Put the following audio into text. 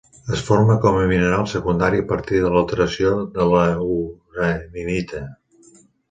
Es forma com a mineral secundari a partir de l'alteració de la uraninita.